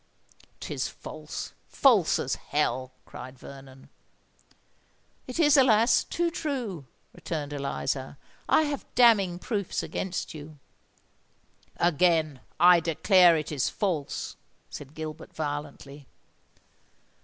"'Tis false—false as hell!" cried Vernon. "It is, alas! too true," returned Eliza. "I have damning proofs against you!" "Again I declare it is false!" said Gilbert, violently.